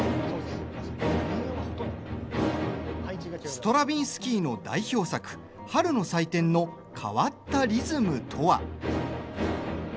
ストラヴィンスキーの代表作「春の祭典」の変わったリズムとは。